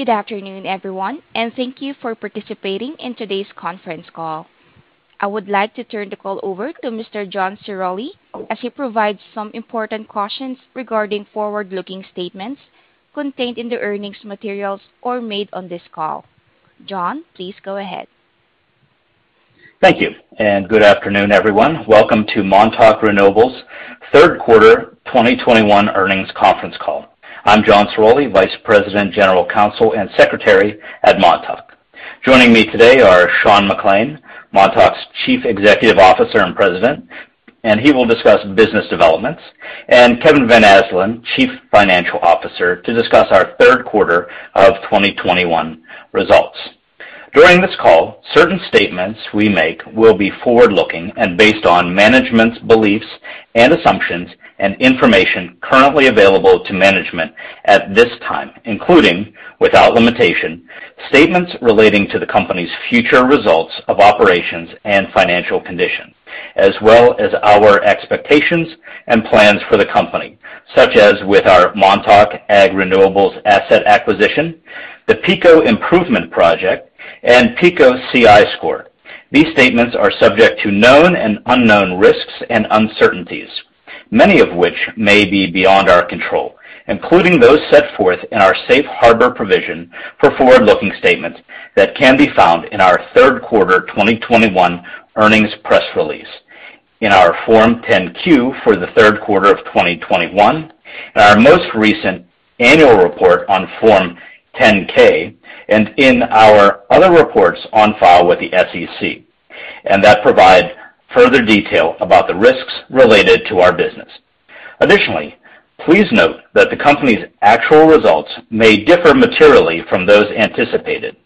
Good afternoon, everyone, and thank you for participating in today's conference call. I would like to turn the call over to Mr. John Ciroli as he provides some important cautions regarding forward-looking statements contained in the earnings materials or made on this call. John, please go ahead. Thank you, and good afternoon, everyone. Welcome to Montauk Renewables' Third Quarter 2021 Earnings Conference Call. I'm John Ciroli, Vice President, General Counsel, and Secretary at Montauk. Joining me today are Sean McClain, Montauk's Chief Executive Officer and President, and he will discuss business developments, and Kevin Van Asdalan, Chief Financial Officer, to discuss our Third Quarter of 2021 results. During this call, certain statements we make will be forward-looking and based on management's beliefs and assumptions and information currently available to management at this time, including, without limitation, statements relating to the company's future results of operations and financial condition, as well as our expectations and plans for the company, such as with our Montauk Ag Renewables asset acquisition, the Pico Improvement Project, and Pico CI score. These statements are subject to known and unknown risks and uncertainties, many of which may be beyond our control, including those set forth in our safe harbor provision for forward-looking statements that can be found in our Third Quarter 2021 Earnings press release, in our Form 10-Q for the third quarter of 2021, in our most recent annual report on Form 10-K, and in our other reports on file with the SEC and that provide further detail about the risks related to our business. Additionally, please note that the company's actual results may differ materially from those anticipated,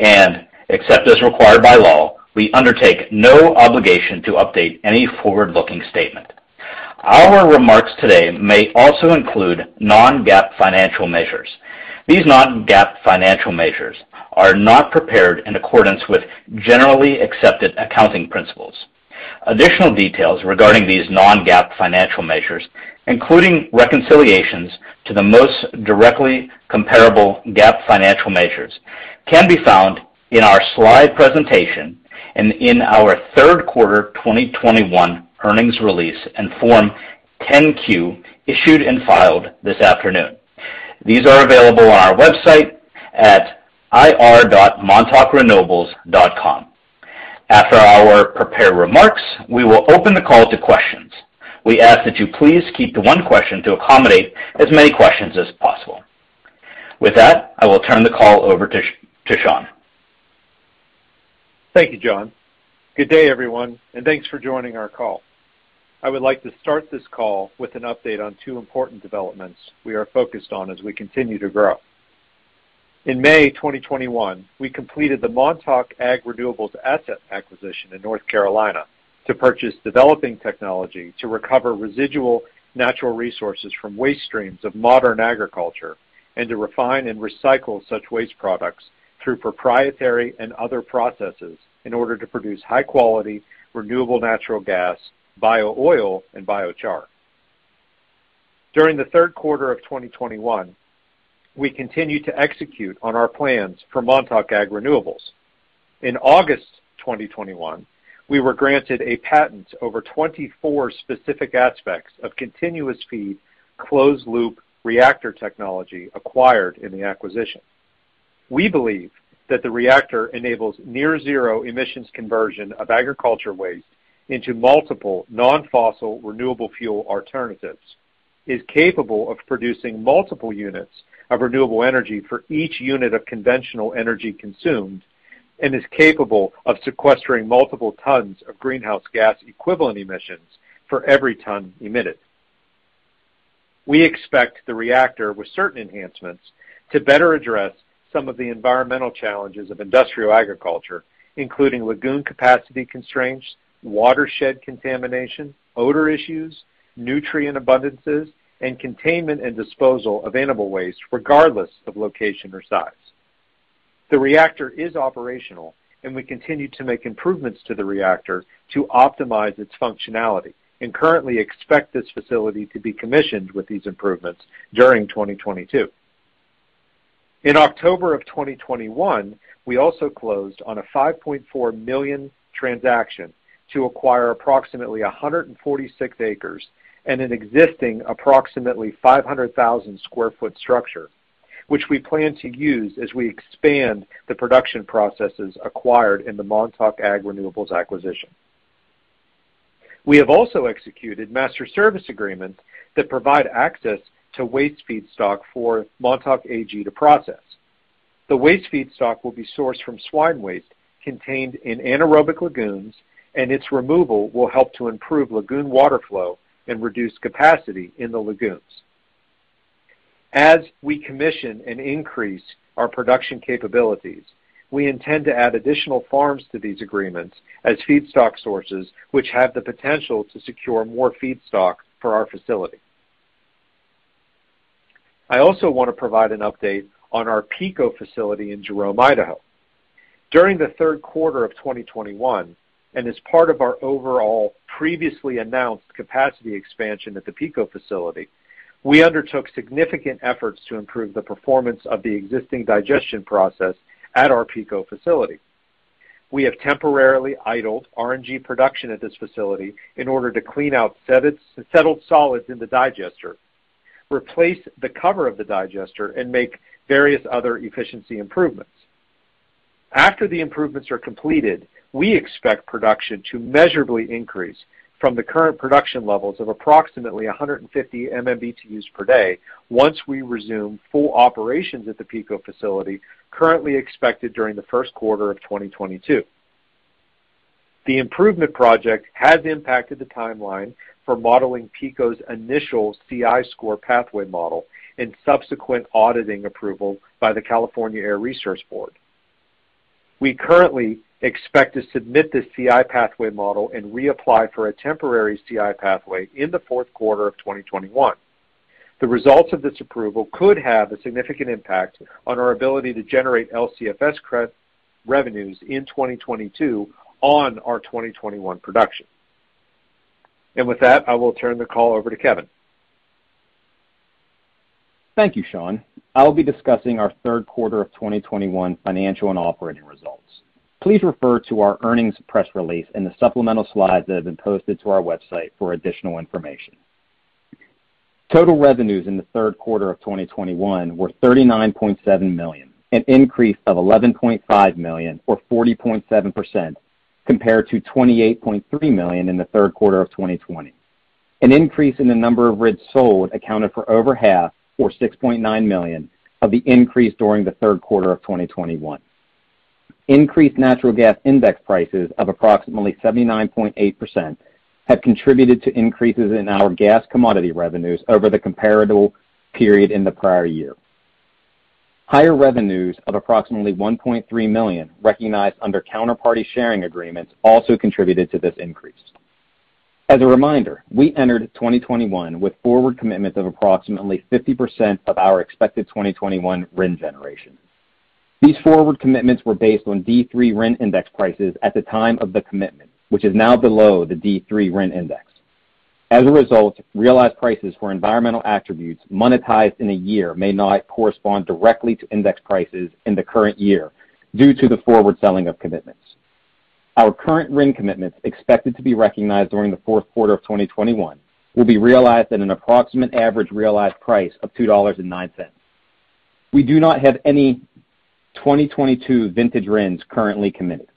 and except as required by law, we undertake no obligation to update any forward-looking statement. Our remarks today may also include non-GAAP financial measures. These non-GAAP financial measures are not prepared in accordance with generally accepted accounting principles. Additional details regarding these non-GAAP financial measures, including reconciliations to the most directly comparable GAAP financial measures, can be found in our slide presentation and in our Third Quarter 2021 Earnings Release and Form 10-Q issued and filed this afternoon. These are available on our website at ir.montaukrenewables.com. After our prepared remarks, we will open the call to questions. We ask that you please keep to one question to accommodate as many questions as possible. With that, I will turn the call over to Sean. Thank you, John. Good day, everyone, and thanks for joining our call. I would like to start this call with an update on two important developments we are focused on as we continue to grow. In May 2021, we completed the Montauk Ag Renewables asset acquisition in North Carolina to purchase developing technology to recover residual natural resources from waste streams of modern agriculture and to refine and recycle such waste products through proprietary and other processes in order to produce high-quality, renewable natural gas, bio-oil, and biochar. During the third quarter of 2021, we continued to execute on our plans for Montauk Ag Renewables. In August 2021, we were granted a patent over 24 specific aspects of continuous-feed, closed-loop reactor technology acquired in the acquisition. We believe that the reactor enables near zero emissions conversion of agricultural waste into multiple non-fossil renewable fuel alternatives, is capable of producing multiple units of renewable energy for each unit of conventional energy consumed, and is capable of sequestering multiple tons of greenhouse gas equivalent emissions for every ton emitted. We expect the reactor, with certain enhancements, to better address some of the environmental challenges of industrial agriculture, including lagoon capacity constraints, watershed contamination, odor issues, nutrient abundances, and containment and disposal of animal waste, regardless of location or size. The reactor is operational, and we continue to make improvements to the reactor to optimize its functionality and currently expect this facility to be commissioned with these improvements during 2022. In October of 2021, we also closed on a $5.4 million transaction to acquire approximately 146 acres and an existing approximately 500,000 sq ft structure, which we plan to use as we expand the production processes acquired in the Montauk Ag Renewables acquisition. We have also executed master service agreements that provide access to waste feedstock for Montauk Ag to process. The waste feedstock will be sourced from swine waste contained in anaerobic lagoons, and its removal will help to improve lagoon water flow and reduce capacity in the lagoons. As we commission and increase our production capabilities, we intend to add additional farms to these agreements as feedstock sources which have the potential to secure more feedstock for our facility. I also want to provide an update on our Pico facility in Jerome, Idaho. During the third quarter of 2021, and as part of our overall previously announced capacity expansion at the Pico facility, we undertook significant efforts to improve the performance of the existing digestion process at our Pico facility. We have temporarily idled RNG production at this facility in order to clean out settled solids in the digester, replace the cover of the digester, and make various other efficiency improvements. After the improvements are completed, we expect production to measurably increase from the current production levels of approximately 150 MMBtus per day once we resume full operations at the Pico facility, currently expected during the first quarter of 2022. The improvement project has impacted the timeline for modeling Pico's initial CI score pathway model and subsequent auditing approval by the California Air Resources Board. We currently expect to submit this CI pathway model and reapply for a temporary CI pathway in the fourth quarter of 2021. The results of this approval could have a significant impact on our ability to generate LCFS credit revenues in 2022 on our 2021 production. With that, I will turn the call over to Kevin. Thank you, Sean. I'll be discussing our third quarter of 2021 financial and operating results. Please refer to our earnings press release and the supplemental slides that have been posted to our website for additional information. Total revenues in the third quarter of 2021 were $39.7 million, an increase of $11.5 million or 40.7% compared to $28.3 million in the third quarter of 2020. An increase in the number of RINs sold accounted for over half, or $6.9 million, of the increase during the third quarter of 2021. Increased natural gas index prices of approximately 79.8% have contributed to increases in our gas commodity revenues over the comparable period in the prior year. Higher revenues of approximately $1.3 million recognized under counterparty sharing agreements also contributed to this increase. As a reminder, we entered 2021 with forward commitments of approximately 50% of our expected 2021 RIN generation. These forward commitments were based on D3 RIN index prices at the time of the commitment, which is now below the D3 RIN index. As a result, realized prices for environmental attributes monetized in a year may not correspond directly to index prices in the current year due to the forward selling of commitments. Our current RIN commitments expected to be recognized during the fourth quarter of 2021 will be realized at an approximate average realized price of $2.09. We do not have any 2022 vintage RINs currently committed.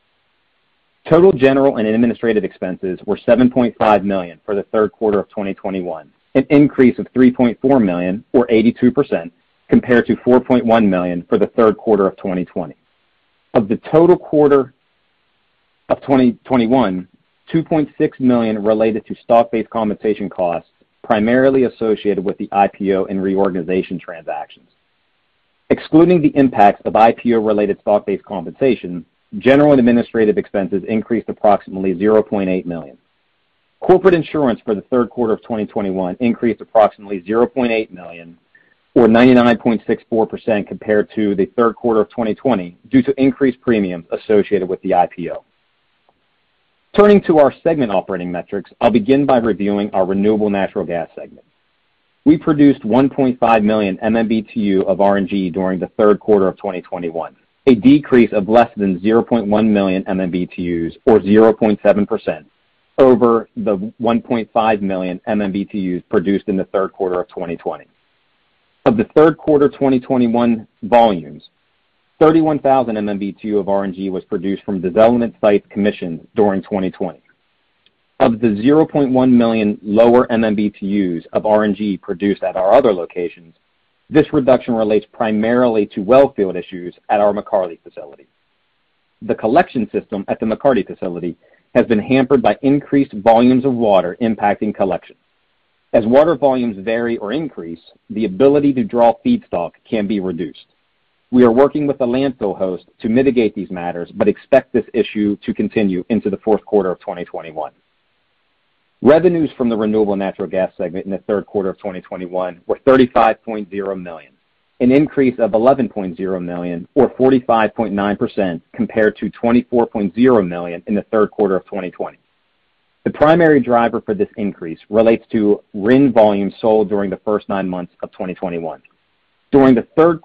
Total general and administrative expenses were $7.5 million for the third quarter of 2021, an increase of $3.4 million or 82% compared to $4.1 million for the third quarter of 2020. Of the total for the quarter of 2021, $2.6 million related to stock-based compensation costs, primarily associated with the IPO and reorganization transactions. Excluding the impacts of IPO-related stock-based compensation, general and administrative expenses increased approximately $0.8 million. Corporate insurance for the third quarter of 2021 increased approximately $0.8 million or 99.64% compared to the third quarter of 2020, due to increased premiums associated with the IPO. Turning to our segment operating metrics, I'll begin by reviewing our Renewable Natural Gas segment. We produced 1.5 million MMBtu of RNG during the third quarter of 2021, a decrease of less than 0.1 million MMBtu, or 0.7% ,over the 1.5 million MMBtu produced in the third quarter of 2020. Of the third quarter 2021 volumes, 31,000 MMBtu of RNG was produced from development sites commissioned during 2020. Of the 0.1 million lower MMBtu of RNG produced at our other locations, this reduction relates primarily to well field issues at our McCarty facility. The collection system at the McCarty facility, has been hampered by increased volumes of water impacting collections. As water volumes vary or increase, the ability to draw feedstock can be reduced. We are working with the landfill host to mitigate these matters, but expect this issue to continue into the fourth quarter of 2021. Revenues from the renewable natural gas segment in the third quarter of 2021 were $35.0 million, an increase of $11.0 million or 45.9% compared to $24.0 million in the third quarter of 2020. The primary driver for this increase relates to RIN volume sold during the first nine months of 2021. During the third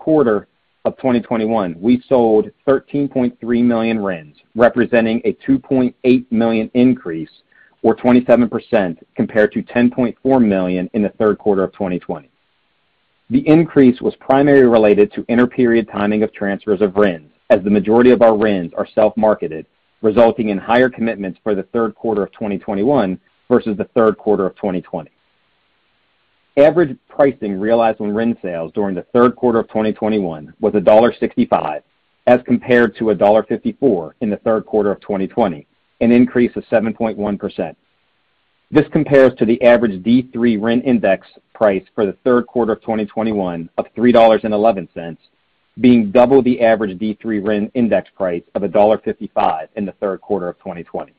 quarter of 2021, we sold 13.3 million RINs, representing a 2.8 million increase or 27% compared to 10.4 million in the third quarter of 2020. The increase was primarily related to interperiod timing of transfers of RINs, as the majority of our RINs are self-marketed, resulting in higher commitments for the third quarter of 2021 versus the third quarter of 2020. Average pricing realized on RIN sales during the third quarter of 2021 was $1.65, as compared to $1.54, in the third quarter of 2020, an increase of 7.1%. This compares to the average D3 RIN index price for the third quarter of 2021 of $3.11, being double the average D3 RIN index price of $1.55 in the third quarter of 2020.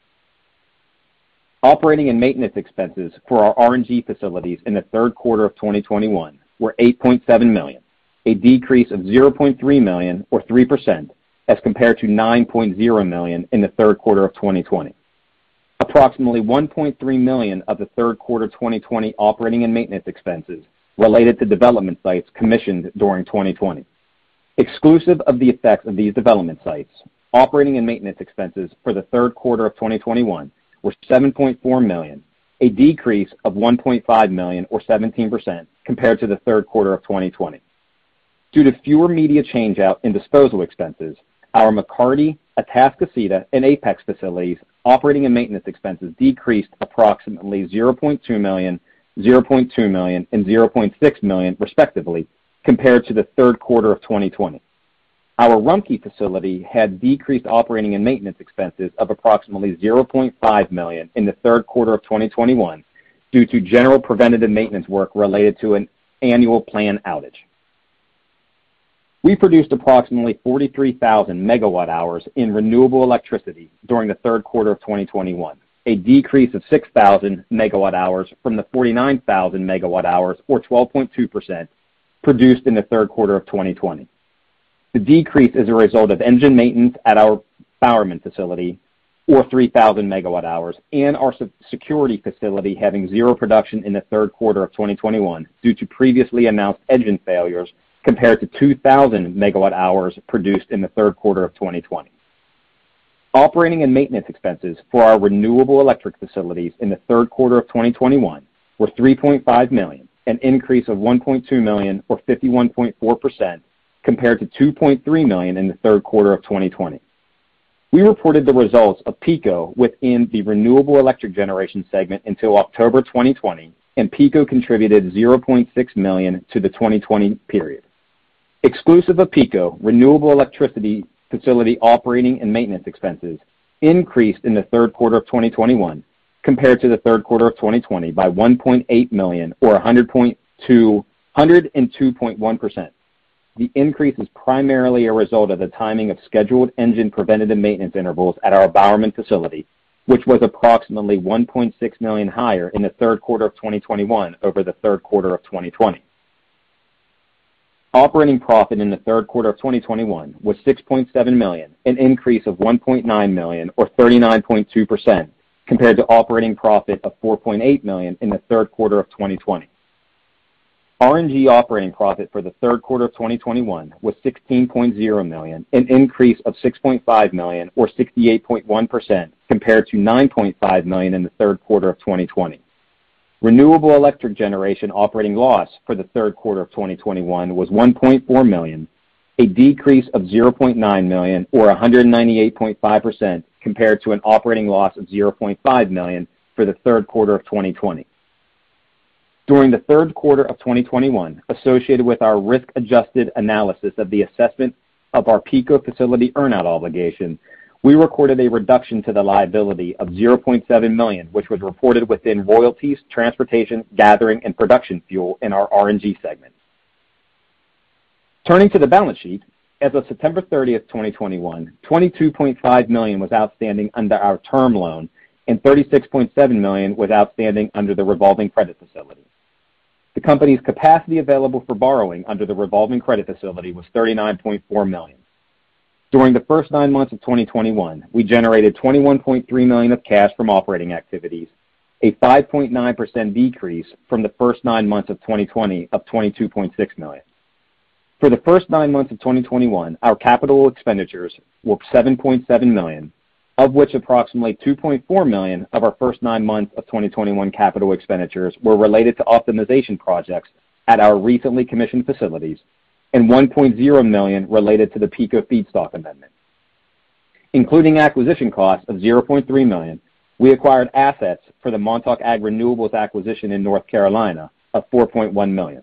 Operating and maintenance expenses for our RNG facilities in the third quarter of 2021 were $8.7 million, a decrease of $0.3 million or 3% as compared to $9.0 million in the third quarter of 2020. Approximately $1.3 million of the third quarter of 2020 operating and maintenance expenses related to development sites commissioned during 2020. Exclusive of the effects of these development sites, operating and maintenance expenses for the third quarter of 2021 were $7.4 million, a decrease of $1.5 million or 17% compared to the third quarter of 2020. Due to fewer media change-out and disposal expenses, our McCarty, Atascocita, and Apex facilities operating and maintenance expenses decreased approximately $0.2 million, $0.2 million, and $0.6 million respectively compared to the third quarter of 2020. Our Rumpke facility had decreased operating and maintenance expenses of approximately $0.5 million in the third quarter of 2021 due to general preventative maintenance work related to an annual planned outage. We produced approximately 43,000 MWh in renewable electricity during the third quarter of 2021, a decrease of 6,000 MWh from the 49,000 MWh or 12.2% produced in the third quarter of 2020. The decrease is a result of engine maintenance at our Bowerman facility of 3,000 MWh and our Security facility having zero production in the third quarter of 2021 due to previously announced engine failures compared to 2,000 MWh produced in the third quarter of 2020. Operating and maintenance expenses for our renewable electricity facilities in the third quarter of 2021 were $3.5 million, an increase of $1.2 million, or 51.4% compared to $2.3 million, in the third quarter of 2020. We reported the results of Pico within the renewable electric generation segment until October 2020, and Pico contributed $0.6 million to the 2020 period. Exclusive of Pico, renewable electricity facility operating and maintenance expenses increased in the third quarter of 2021 compared to the third quarter of 2020 by $1.8 million or 102.1%. The increase is primarily a result of the timing of scheduled engine preventative maintenance intervals at our Bowerman facility, which was approximately $1.6 million higher in the third quarter of 2021 over the third quarter of 2020. Operating profit in the third quarter of 2021 was $6.7 million, an increase of $1.9 million or 39.2% compared to operating profit of $4.8 million in the third quarter of 2020. RNG operating profit for the third quarter of 2021 was $16.0 million, an increase of $6.5 million or 68.1% compared to $9.5 million in the third quarter of 2020. Renewable electric generation operating loss for the third quarter of 2021 was $1.4 million, a decrease of $0.9 million or 198.5% compared to an operating loss of $0.5 million for the third quarter of 2020. During the third quarter of 2021, associated with our risk-adjusted analysis of the assessment of our Pico facility earn out obligation, we recorded a reduction to the liability of $0.7 million, which was reported within royalties, transportation, gathering, and production fuel in our RNG segment. Turning to the balance sheet. As of September 30, 2021, $22.5 million was outstanding under our term loan and $36.7 million was outstanding under the revolving credit facility. The company's capacity available for borrowing under the revolving credit facility was $39.4 million. During the first nine months of 2021, we generated $21.3 million of cash from operating activities, a 5.9% decrease from the first nine months of 2020 of $22.6 million. For the first nine months of 2021, our capital expenditures were $7.7 million, of which approximately $2.4 million of our first nine months of 2021 capital expenditures were related to optimization projects at our recently commissioned facilities and $1.0 million related to the Pico feedstock amendment. Including acquisition costs of $0.3 million, we acquired assets for the Montauk Ag Renewables acquisition in North Carolina of $4.1 million.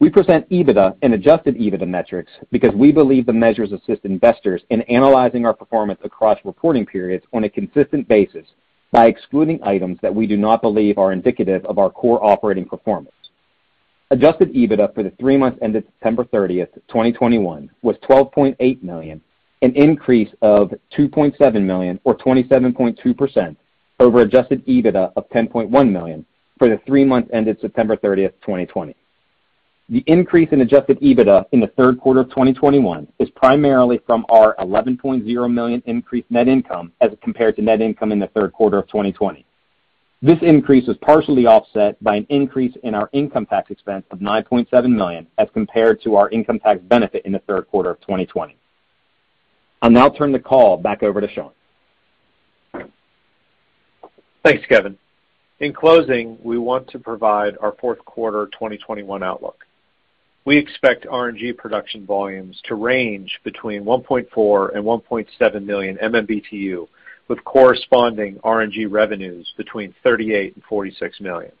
We present EBITDA and Adjusted EBITDA metrics because we believe the measures assist investors in analyzing our performance across reporting periods on a consistent basis by excluding items that we do not believe are indicative of our core operating performance. Adjusted EBITDA for the three months ended September 30, 2021 was $12.8 million, an increase of $2.7 million or 27.2% over adjusted EBITDA of $10.1 million for the three months ended September 30, 2020. The increase in Adjusted EBITDA in the third quarter of 2021 is primarily from our $11.0 million increased net income as compared to net income in the third quarter of 2020. This increase was partially offset by an increase in our income tax expense of $9.7 million, as compared to our income tax benefit in the third quarter of 2020. I'll now turn the call back over to Sean. Thanks, Kevin. In closing, we want to provide our fourth quarter 2021 outlook. We expect RNG production volumes to range between 1.4 million and 1.7 million MMBtu, with corresponding RNG revenues between $38 million and $46 million.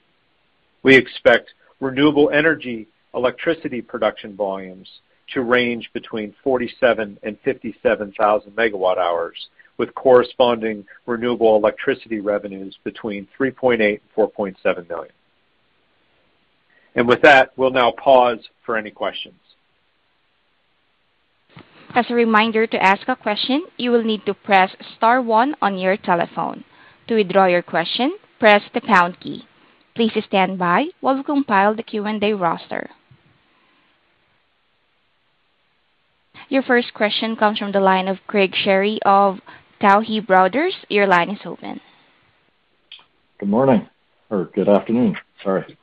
We expect renewable electricity production volumes to range between 47,000 MWh and 57,000 MWh with corresponding renewable electricity revenues between $3.8 million and $4.7 million. With that, we'll now pause for any questions. As a reminder, to ask a question, you will need to press star one on your telephone. To withdraw your question, press the pound key. Please stand by while we compile the Q&A roster. Your first question comes from the line of Craig Shere of Tuohy Brothers. Your line is open. Good morning or good afternoon. Sorry.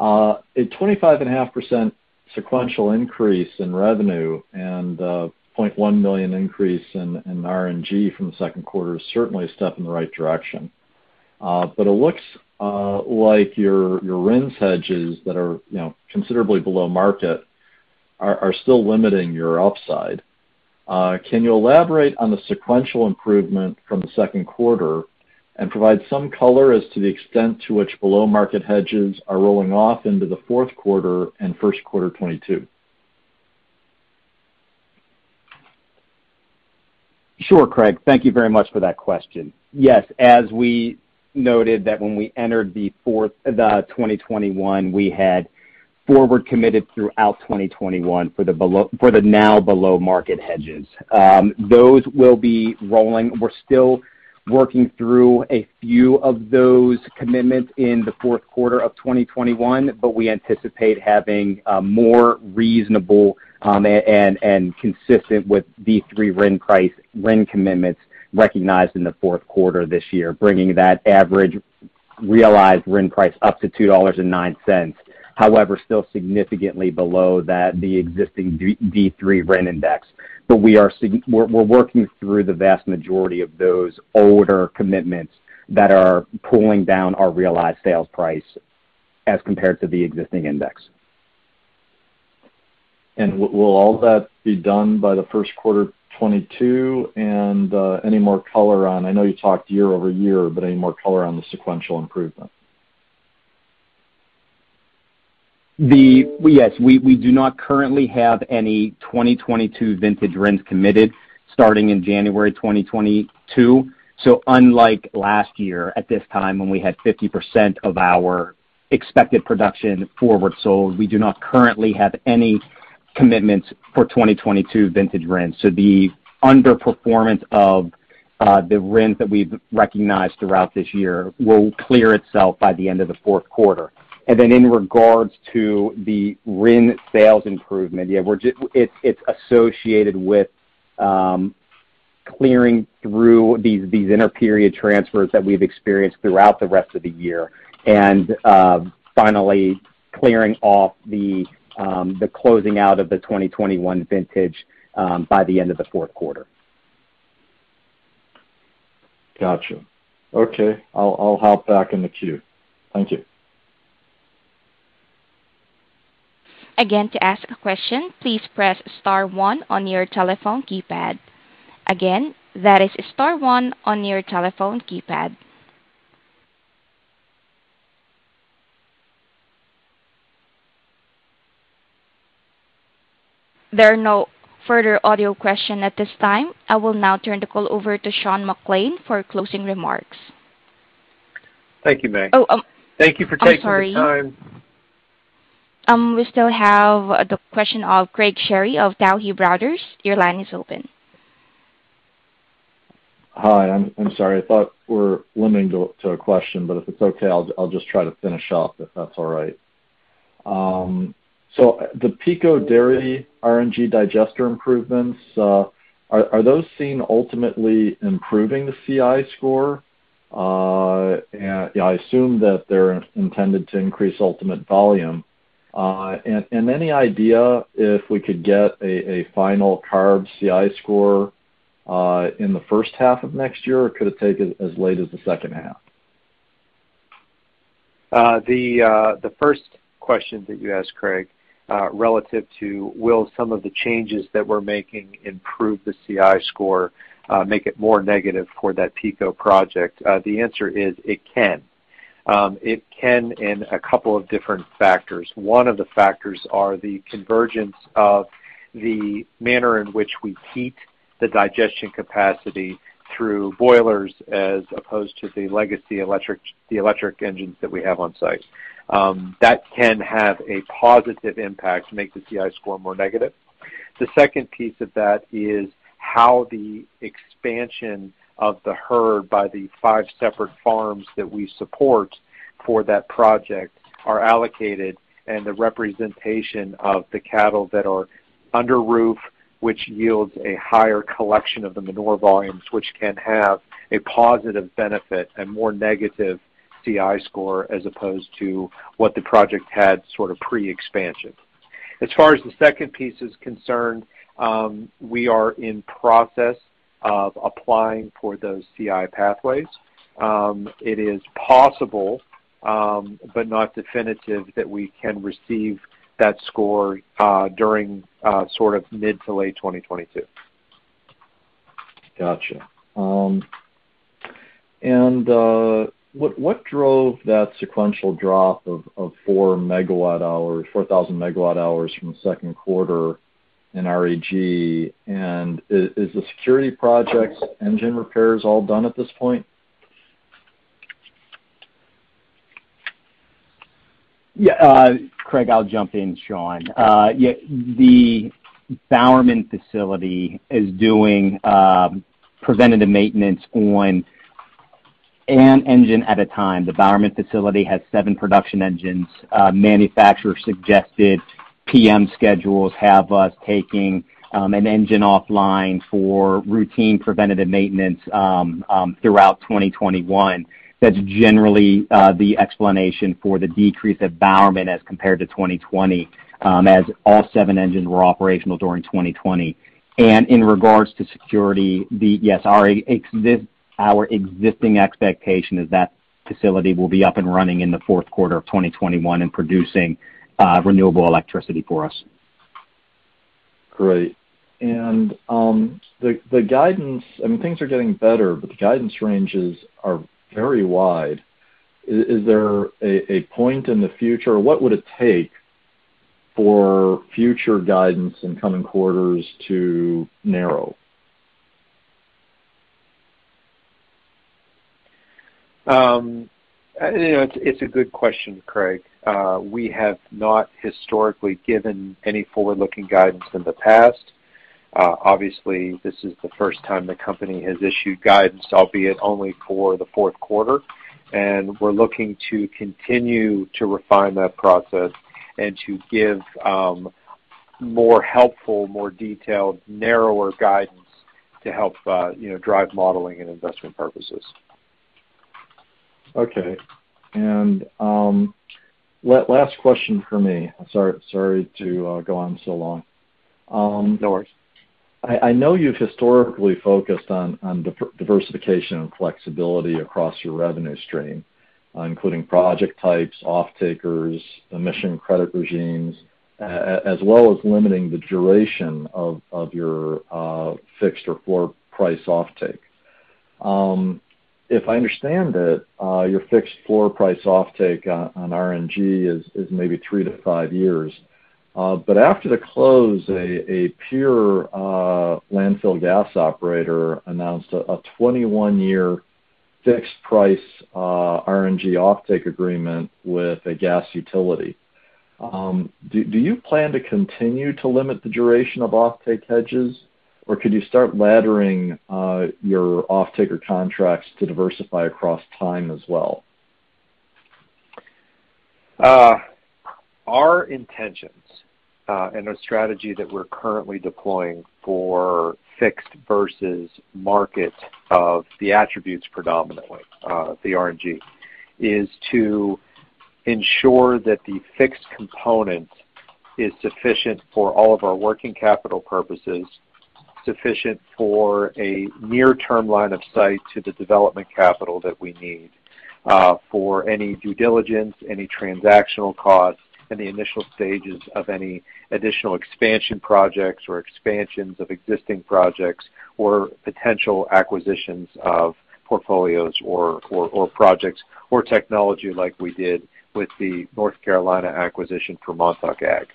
A 25.5% sequential increase in revenue and 0.1 million increase in RNG from the second quarter is certainly a step in the right direction. It looks like your RINs hedges that are, you know, considerably below market are still limiting your upside. Can you elaborate on the sequential improvement from the second quarter and provide some color as to the extent to which below market hedges are rolling off into the fourth quarter and first quarter 2022? Sure, Craig. Thank you very much for that question. Yes. As we noted that when we entered the 2021, we had forward committed throughout 2021 for the now below market hedges. Those will be rolling. We're still working through a few of those commitments in the fourth quarter of 2021, but we anticipate having a more reasonable, consistent with D3 RIN commitments recognized in the fourth quarter this year, bringing that average realized RIN price up to $2.09. However, still significantly below the existing D3 RIN index. We are working through the vast majority of those older commitments that are pulling down our realized sales price as compared to the existing index. Will all that be done by the first quarter 2022? Any more color on, I know you talked year-over-year, but any more color on the sequential improvement? Yes. We do not currently have any 2022 vintage RINs committed starting in January 2022. Unlike last year at this time when we had 50% of our expected production forward sold, we do not currently have any commitments for 2022 vintage RINs. The underperformance of the RINs that we've recognized throughout this year will clear itself by the end of the fourth quarter. Then in regards to the RIN sales improvement, it's associated with clearing through these interperiod transfers that we've experienced throughout the rest of the year and finally clearing off the closing out of the 2021 vintage by the end of the fourth quarter. Gotcha. Okay. I'll hop back in the queue. Thank you. Again, to ask a question, please press star one on your telephone keypad. Again, that is star one on your telephone keypad. There are no further audio questions at this time. I will now turn the call over to Sean McClain for closing remarks. Thank you, Meg. Oh, um- Thank you for taking the time. I'm sorry. We still have the question of Craig Shere of Tuohy Brothers. Your line is open. Hi. I'm sorry. I thought we're limiting to a question, but if it's okay, I'll just try to finish up, if that's all right. The Pico Dairy RNG digester improvements are those seen ultimately improving the CI score? Yeah, I assume that they're intended to increase ultimate volume. Any idea if we could get a final CARB CI score in the first half of next year? Could it take as late as the second half? The first question that you asked, Craig, relative to will some of the changes that we're making improve the CI score, make it more negative for that Pico project? The answer is it can. It can in a couple of different factors. One of the factors are the convergence of the manner in which we heat the digestion capacity through boilers as opposed to the legacy electric engines that we have on site. That can have a positive impact to make the CI score more negative. The second piece of that is how the expansion of the herd by the five separate farms that we support for that project are allocated and the representation of the cattle that are under roof, which yields a higher collection of the manure volumes, which can have a positive benefit and more negative CI score as opposed to what the project had sort of pre-expansion. As far as the second piece is concerned, we are in process of applying for those CI pathways. It is possible, but not definitive that we can receive that score during sort of mid- to late 2022. Gotcha. What drove that sequential drop of 4,000 MWh from the second quarter in REG? Is the Security project's engine repairs all done at this point? Yeah, Craig, I'll jump in, Sean. Yeah, the Bowerman facility is doing preventative maintenance on an engine at a time. The Bowerman facility has seven production engines. Manufacturer suggested PM schedules have us taking an engine offline for routine preventative maintenance throughout 2021. That's generally the explanation for the decrease at Bowerman as compared to 2020, as all seven engines were operational during 2020. In regards to Security, yes, our existing expectation is that facility will be up and running in the fourth quarter of 2021 and producing renewable electricity for us. Great. The guidance, I mean, things are getting better, but the guidance ranges are very wide. Is there a point in the future? What would it take for future guidance in coming quarters to narrow? You know, it's a good question, Craig. We have not historically given any forward-looking guidance in the past. Obviously, this is the first time the company has issued guidance, albeit only for the fourth quarter. We're looking to continue to refine that process and to give more helpful, more detailed, narrower guidance to help you know, drive modeling and investment purposes. Okay. Last question for me. Sorry to go on so long. No worries. I know you've historically focused on diversification and flexibility across your revenue stream, including project types, offtakers, emission credit regimes, as well as limiting the duration of your fixed or floor price offtake. If I understand it, your fixed floor price offtake on RNG is maybe three to five years. After the close, a pure landfill gas operator announced a 21-year fixed price RNG offtake agreement with a gas utility. Do you plan to continue to limit the duration of offtake hedges, or could you start laddering your offtaker contracts to diversify across time as well? Our intentions and our strategy that we're currently deploying for fixed versus market of the attributes predominantly the RNG is to ensure that the fixed component is sufficient for all of our working capital purposes, sufficient for a near-term line of sight to the development capital that we need for any due diligence, any transactional costs in the initial stages of any additional expansion projects or expansions of existing projects or potential acquisitions of portfolios or projects or technology like we did with the North Carolina acquisition for Montauk Ag.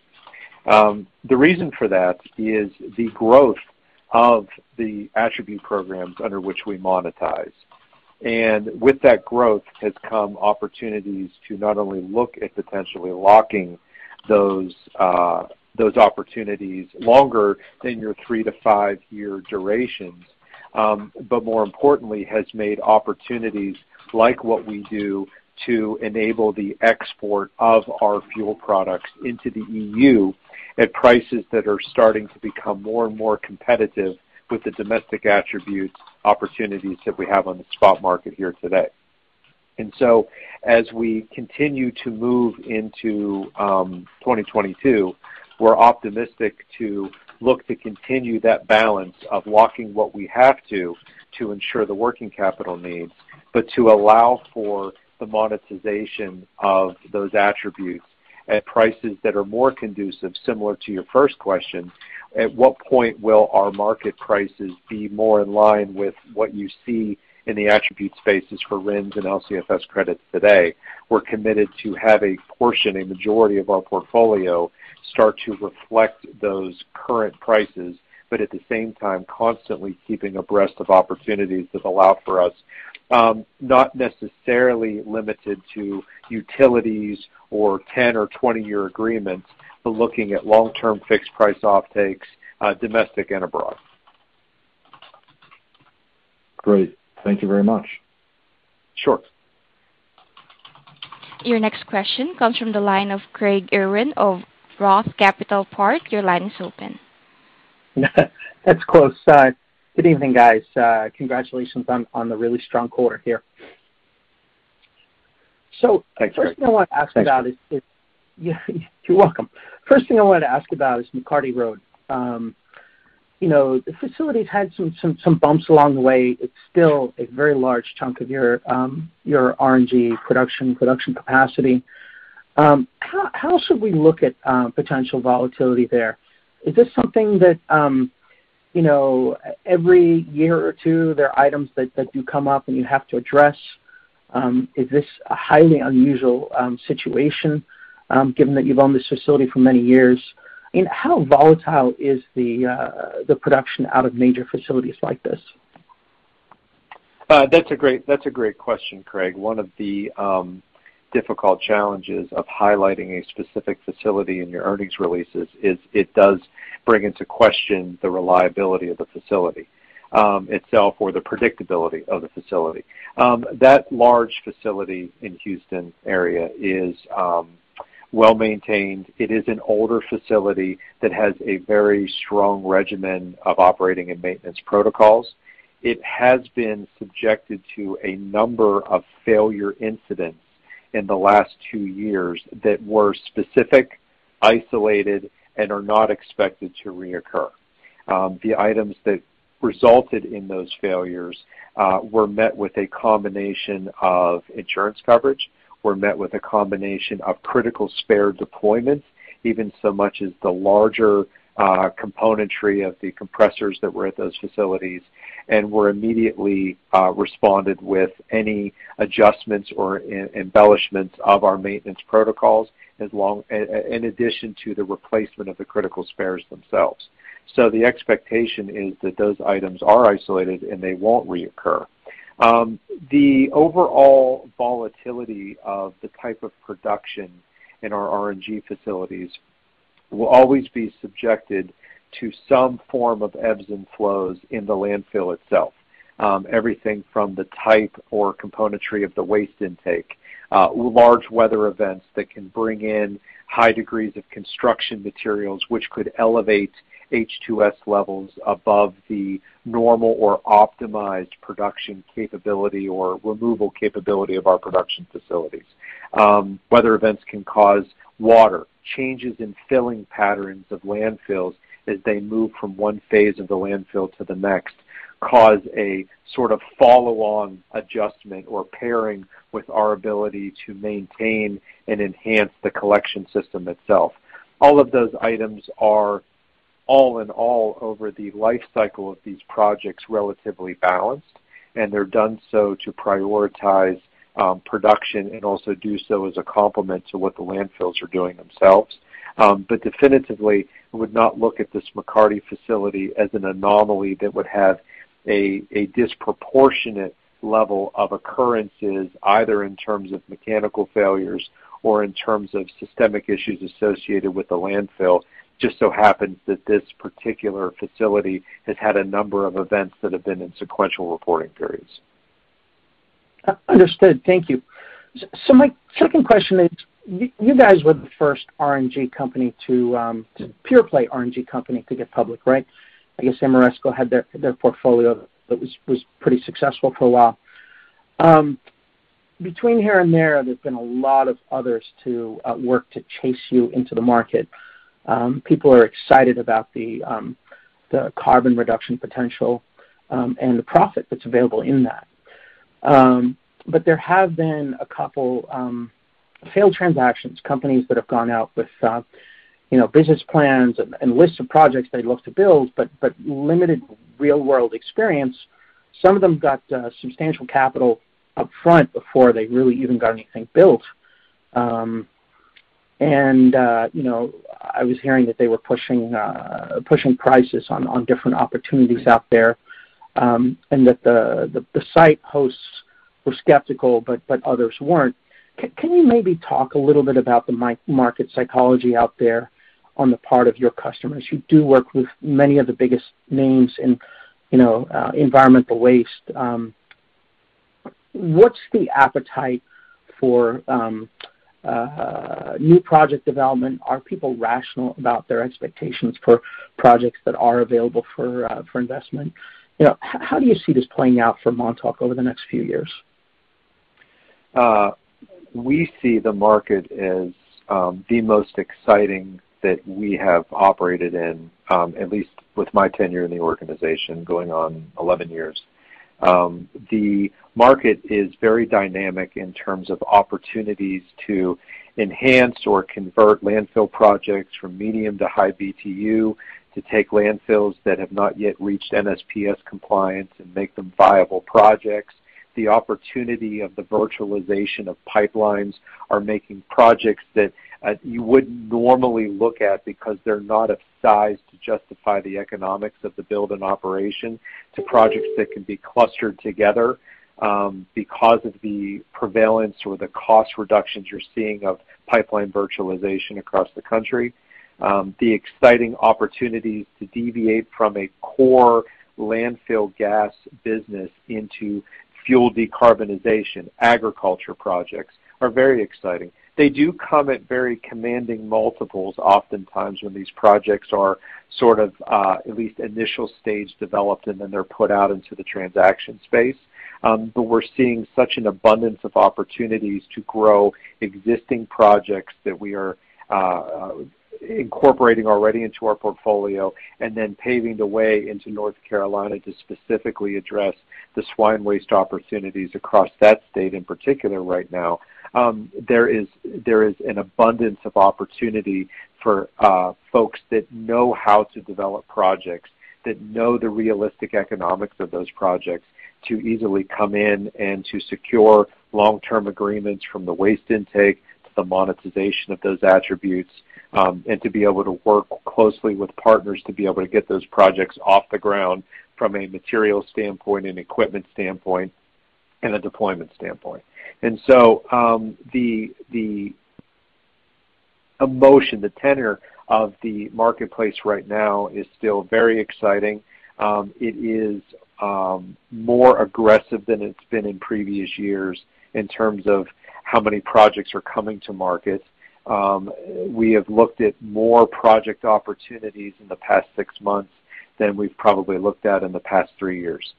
The reason for that is the growth of the attribute programs under which we monetize. With that growth has come opportunities to not only look at potentially locking those opportunities longer than your three to five year durations, but more importantly, has made opportunities like what we do to enable the export of our fuel products into the EU at prices that are starting to become more and more competitive with the domestic attribute opportunities that we have on the spot market here today. As we continue to move into 2022, we're optimistic to look to continue that balance of locking what we have to ensure the working capital needs, but to allow for the monetization of those attributes at prices that are more conducive. Similar to your first question, at what point will our market prices be more in line with what you see in the attribute spaces for RINs and LCFS credits today? We're committed to have a portion, a majority of our portfolio start to reflect those current prices, but at the same time, constantly keeping abreast of opportunities that allow for us, not necessarily limited to utilities or 10- or 20-year agreements, but looking at long-term fixed price offtakes, domestic and abroad. Great. Thank you very much. Sure. Your next question comes from the line of Craig Irwin of Roth Capital Partners. Your line is open. That's close. Good evening, guys. Congratulations on the really strong quarter here. Thanks, Craig. First thing I want to ask about is. Thanks. You're welcome. First thing I wanted to ask about is McCarty Road. You know, the facility's had some bumps along the way. It's still a very large chunk of your RNG production capacity. How should we look at potential volatility there? Is this something that, you know, every year or two there are items that do come up and you have to address? Is this a highly unusual situation given that you've owned this facility for many years? How volatile is the production out of major facilities like this? That's a great question, Craig. One of the difficult challenges of highlighting a specific facility in your earnings releases is it does bring into question the reliability of the facility itself or the predictability of the facility. That large facility in Houston area is well-maintained. It is an older facility that has a very strong regimen of operating and maintenance protocols. It has been subjected to a number of failure incidents in the last two years that were specific, isolated, and are not expected to reoccur. The items that resulted in those failures were met with a combination of insurance coverage and critical spare deployments, even so much as the larger componentry of the compressors that were at those facilities, and we immediately responded with any adjustments or enhancements of our maintenance protocols, along with the replacement of the critical spares themselves. The expectation is that those items are isolated, and they won't reoccur. The overall volatility of the type of production in our RNG facilities will always be subjected to some form of ebbs and flows in the landfill itself. Everything from the type or componentry of the waste intake, large weather events that can bring in high degrees of construction materials, which could elevate H2S levels above the normal or optimized production capability or removal capability of our production facilities. Weather events can cause water changes in filling patterns of landfills as they move from one phase of the landfill to the next, cause a sort of follow-along adjustment or pairing with our ability to maintain and enhance the collection system itself. All of those items are, all in all, over the life cycle of these projects, relatively balanced, and they're done so to prioritize production and also do so as a complement to what the landfills are doing themselves. Definitively would not look at this McCarty facility as an anomaly that would have a disproportionate level of occurrences, either in terms of mechanical failures or in terms of systemic issues associated with the landfill. Just so happens that this particular facility has had a number of events that have been in sequential reporting periods. Understood. Thank you. My second question is, you guys were the first pure play RNG company to get public, right? I guess Ameresco had their portfolio that was pretty successful for a while. Between here and there's been a lot of others to work to chase you into the market. People are excited about the carbon reduction potential and the profit that's available in that. There have been a couple failed transactions, companies that have gone out with, you know, business plans and lists of projects they'd love to build, but limited real-world experience. Some of them got substantial capital upfront before they really even got anything built. You know, I was hearing that they were pushing prices on different opportunities out there, and that the site hosts were skeptical, but others weren't. Can you maybe talk a little bit about the market psychology out there on the part of your customers? You do work with many of the biggest names in, you know, environmental waste. What's the appetite for new project development? Are people rational about their expectations for projects that are available for investment? You know, how do you see this playing out for Montauk over the next few years? We see the market as the most exciting that we have operated in, at least with my tenure in the organization going on 11 years. The market is very dynamic in terms of opportunities to enhance or convert landfill projects from medium to high BTU, to take landfills that have not yet reached NSPS compliance and make them viable projects. The opportunity of the virtualization of pipelines are making projects that you wouldn't normally look at because they're not of size to justify the economics of the build and operation to projects that can be clustered together, because of the prevalence or the cost reductions you're seeing of pipeline virtualization across the country. The exciting opportunities to deviate from a core landfill gas business into fuel decarbonization, agriculture projects are very exciting. They do come at very commanding multiples oftentimes when these projects are sort of, at least initial stage developed, and then they're put out into the transaction space. We're seeing such an abundance of opportunities to grow existing projects that we are incorporating already into our portfolio and then paving the way into North Carolina to specifically address the swine waste opportunities across that state in particular right now. There is an abundance of opportunity for folks that know how to develop projects, that know the realistic economics of those projects to easily come in and to secure long-term agreements from the waste intake to the monetization of those attributes, and to be able to work closely with partners to be able to get those projects off the ground from a material standpoint and equipment standpoint and a deployment standpoint. The emotion, the tenor of the marketplace right now is still very exciting. It is more aggressive than it's been in previous years in terms of how many projects are coming to market. We have looked at more project opportunities in the past six months than we've probably looked at in the past three years.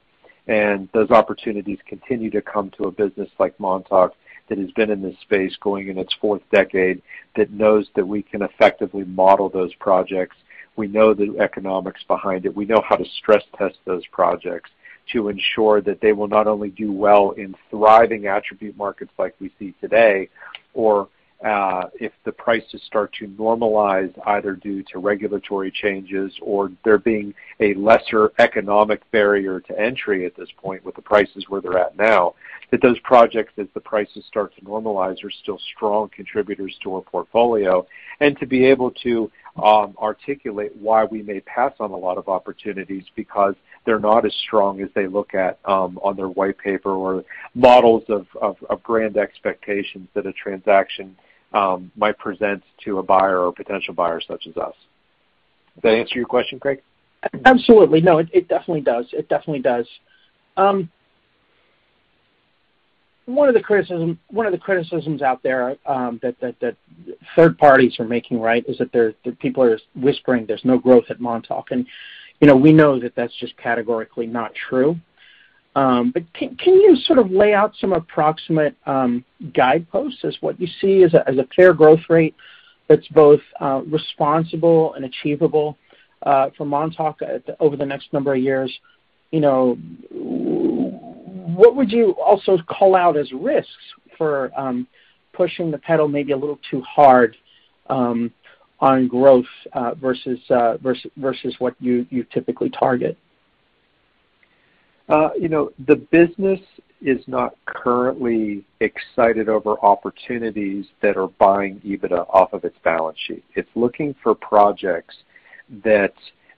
Those opportunities continue to come to a business like Montauk that has been in this space going in its fourth decade, that knows that we can effectively model those projects. We know the economics behind it. We know how to stress test those projects to ensure that they will not only do well in thriving attribute markets like we see today, or if the prices start to normalize, either due to regulatory changes or there being a lesser economic barrier to entry at this point with the prices where they're at now, that those projects, as the prices start to normalize, are still strong contributors to our portfolio. To be able to articulate why we may pass on a lot of opportunities because they're not as strong as they look at on their white paper or models of brand expectations that a transaction might present to a buyer or potential buyer such as us. Did I answer your question, Craig? Absolutely. No, it definitely does. One of the criticisms out there that third parties are making, right, is that people are whispering there's no growth at Montauk. You know, we know that that's just categorically not true. But can you sort of lay out some approximate guideposts as what you see as a fair growth rate that's both responsible and achievable for Montauk over the next number of years? You know, what would you also call out as risks for pushing the pedal maybe a little too hard on growth versus what you typically target? You know, the business is not currently excited over opportunities that are buying EBITDA off of its balance sheet. It's looking for projects that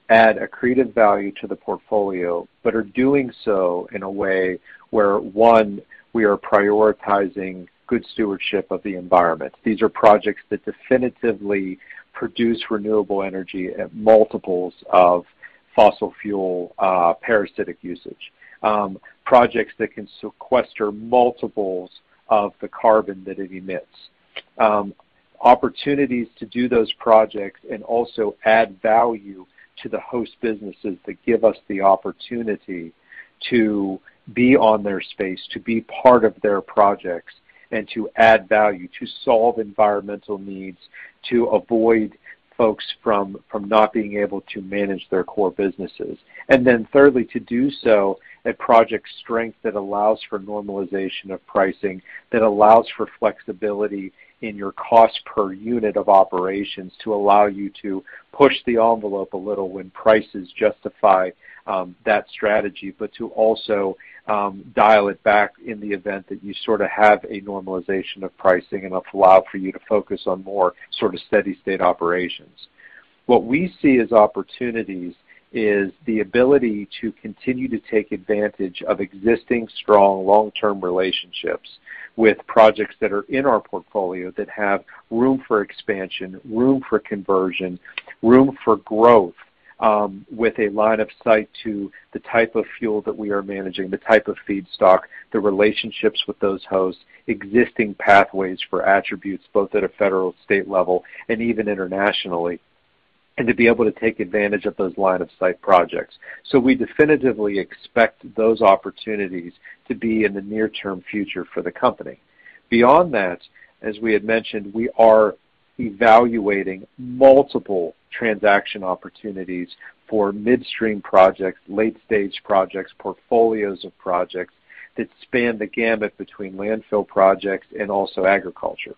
add accretive value to the portfolio, but are doing so in a way where, one, we are prioritizing good stewardship of the environment. These are projects that definitively produce renewable energy at multiples of fossil fuel, parasitic usage. Projects that can sequester multiples of the carbon that it emits. Opportunities to do those projects and also add value to the host businesses that give us the opportunity to be on their space, to be part of their projects, and to add value, to solve environmental needs, to avoid folks from not being able to manage their core businesses. Thirdly, to do so at project strength that allows for normalization of pricing, that allows for flexibility in your cost per unit of operations to allow you to push the envelope a little when prices justify that strategy, but to also dial it back in the event that you sort of have a normalization of pricing enough to allow for you to focus on more sort of steady state operations. What we see as opportunities is the ability to continue to take advantage of existing strong long-term relationships with projects that are in our portfolio that have room for expansion, room for conversion, room for growth, with a line of sight to the type of fuel that we are managing, the type of feedstock, the relationships with those hosts, existing pathways for attributes, both at a federal, state level and even internationally, and to be able to take advantage of those line of sight projects. We definitively expect those opportunities to be in the near term future for the company. Beyond that, as we had mentioned, we are evaluating multiple transaction opportunities for midstream projects, late-stage projects, portfolios of projects that span the gamut between landfill projects and also agriculture.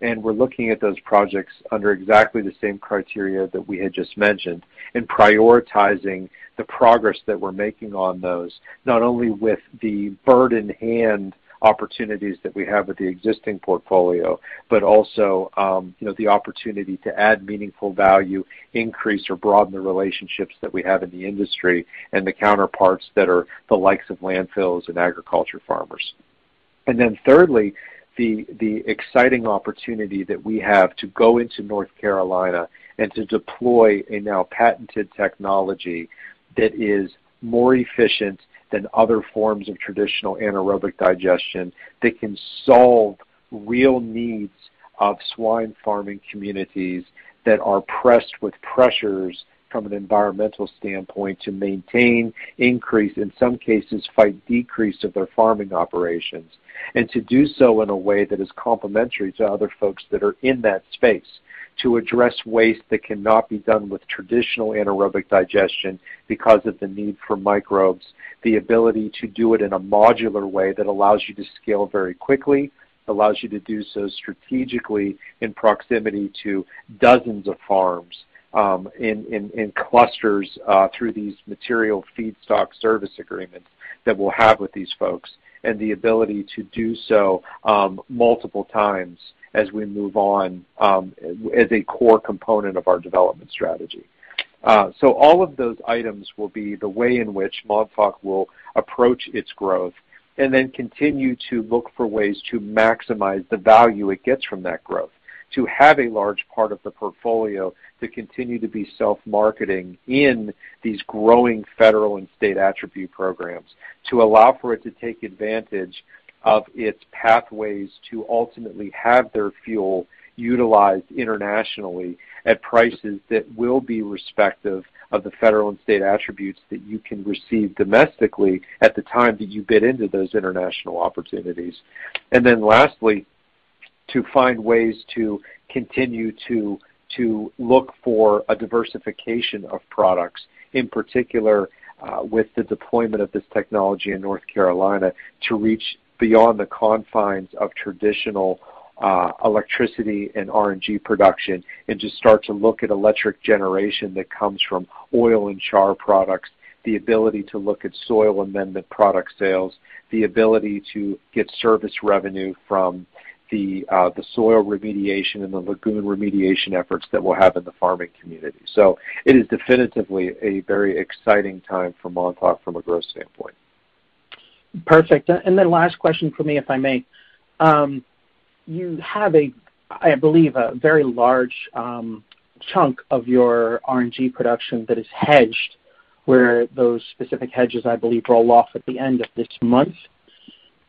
We're looking at those projects under exactly the same criteria that we had just mentioned, and prioritizing the progress that we're making on those, not only with the bird-in-hand opportunities that we have with the existing portfolio, but also, you know, the opportunity to add meaningful value, increase or broaden the relationships that we have in the industry and the counterparts that are the likes of landfills and agriculture farmers. Thirdly, the exciting opportunity that we have to go into North Carolina and to deploy a now patented technology that is more efficient than other forms of traditional anaerobic digestion that can solve real needs of swine farming communities that are pressed with pressures from an environmental standpoint to maintain, increase, in some cases, fight decrease of their farming operations. To do so in a way that is complementary to other folks that are in that space. To address waste that cannot be done with traditional anaerobic digestion because of the need for microbes, the ability to do it in a modular way that allows you to scale very quickly, allows you to do so strategically in proximity to dozens of farms, in clusters, through these material feedstock service agreements that we'll have with these folks, and the ability to do so, multiple times as we move on, as a core component of our development strategy. All of those items will be the way in which Montauk will approach its growth and then continue to look for ways to maximize the value it gets from that growth. To have a large part of the portfolio to continue to be self-marketing in these growing federal and state attribute programs. To allow for it to take advantage of its pathways to ultimately have their fuel utilized internationally at prices that will be respective of the federal and state attributes that you can receive domestically at the time that you bid into those international opportunities. Then lastly, to find ways to continue to look for a diversification of products, in particular, with the deployment of this technology in North Carolina, to reach beyond the confines of traditional, electricity and RNG production and to start to look at electric generation that comes from oil and char products. The ability to look at soil amendment product sales. The ability to get service revenue from the soil remediation and the lagoon remediation efforts that we'll have in the farming community. It is definitely a very exciting time for Montauk from a growth standpoint. Perfect. Last question from me, if I may. You have a, I believe, a very large chunk of your RNG production that is hedged, where those specific hedges, I believe, roll off at the end of this month.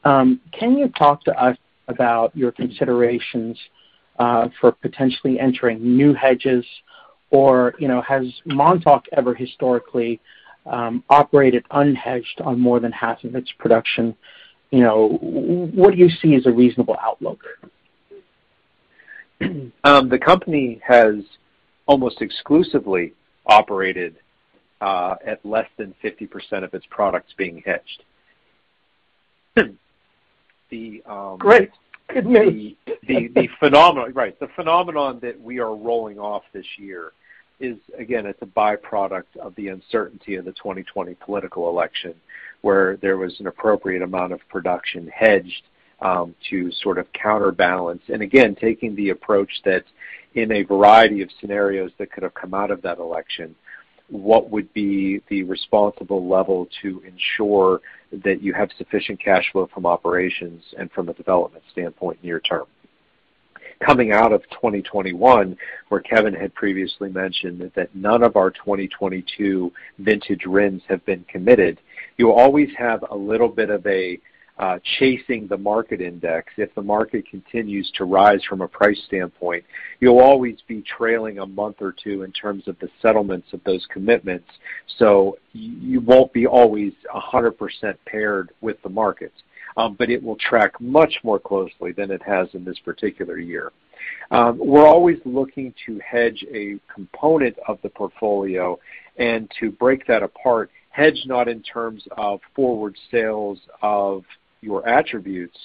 Can you talk to us about your considerations for potentially entering new hedges or, you know, has Montauk ever historically operated unhedged on more than half of its production? You know, what do you see as a reasonable outlook? The company has almost exclusively operated at less than 50% of its products being hedged. Great. Good news. The phenomenon that we are rolling off this year is, again, it's a by-product of the uncertainty of the 2020 political election, where there was an appropriate amount of production hedged to sort of counterbalance. Again, taking the approach that in a variety of scenarios that could have come out of that election, what would be the responsible level to ensure that you have sufficient cash flow from operations and from a development standpoint near-term? Coming out of 2021, where Kevin had previously mentioned that none of our 2022 vintage RINs have been committed, you always have a little bit of a chasing the market index. If the market continues to rise from a price standpoint, you'll always be trailing a month or two in terms of the settlements of those commitments. You won't be always 100% paired with the markets, but it will track much more closely than it has in this particular year. We're always looking to hedge a component of the portfolio and to break that apart, hedge not in terms of forward sales of your attributes,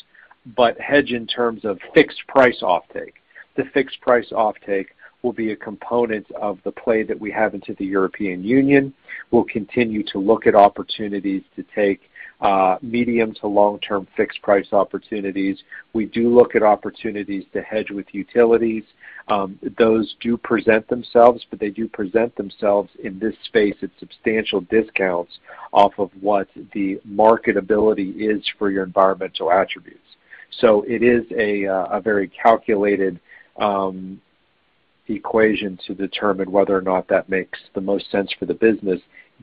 but hedge in terms of fixed price offtake. The fixed price offtake will be a component of the play that we have into the European Union. We'll continue to look at opportunities to take medium to long-term fixed price opportunities. We do look at opportunities to hedge with utilities. Those do present themselves, but they do present themselves in this space at substantial discounts off of what the marketability is for your environmental attributes. It is a very calculated equation to determine whether or not that makes the most sense for the business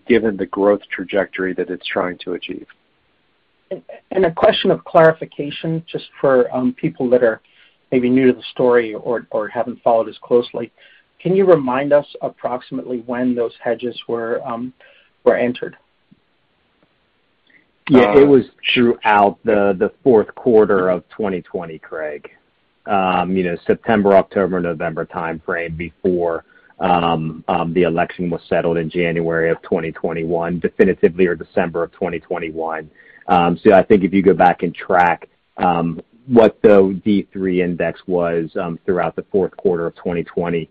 given the growth trajectory that it's trying to achieve. A question of clarification, just for people that are maybe new to the story or haven't followed as closely. Can you remind us approximately when those hedges were entered? Yeah. It was throughout the fourth quarter of 2020, Craig. You know, September, October, November timeframe before the election was settled in January of 2021 definitively or December of 2021. I think if you go back and track what the D3 index was throughout the fourth quarter of 2020,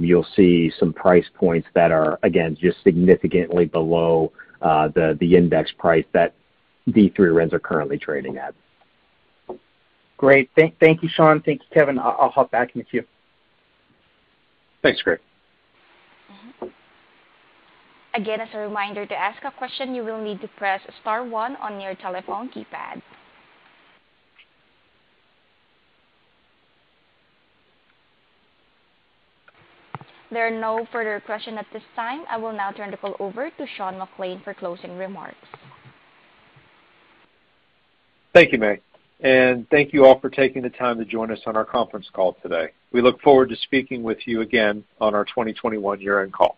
you'll see some price points that are, again, just significantly below the index price that D3 RINs are currently trading at. Great. Thank you, Sean. Thank you, Kevin. I'll hop back in the queue. Thanks, Craig. Again, as a reminder, to ask a question, you will need to press star one on your telephone keypad. There are no further question at this time. I will now turn the call over to Sean McClain for closing remarks. Thank you, May. Thank you all for taking the time to join us on our conference call today. We look forward to speaking with you again on our 2021 year-end call.